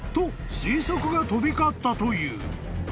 推測が飛び交ったという］